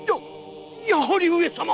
やはり上様！